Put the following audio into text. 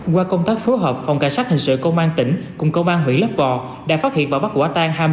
qua công tác phối hợp phòng cảnh sát hình sự công an tỉnh cùng công an huyện lấp vò đã phát hiện và bắt quả tang